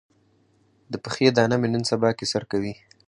د پښې دانه مې نن سبا کې سر کوي.